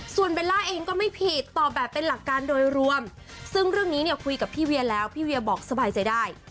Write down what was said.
ส่วนเบลล่าเองก็ไม่ผิดตอบแบบเป็นหลักการโดยรวมซึ่งเรื่องนี้เนี่ยคุยกับพี่เวียแล้วพี่เวียบอกสบายใจได้